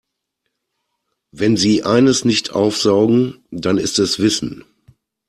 Wenn sie eines nicht aufsaugen, dann ist es Wissen.